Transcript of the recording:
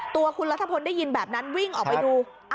ตัวคุณรัฐพลได้ยินแบบนั้นวิ่งออกไปดู